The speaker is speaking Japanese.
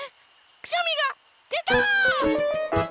くしゃみがでた！